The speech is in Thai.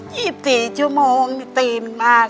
สี่สี่ชั่วโมงมีตีนมา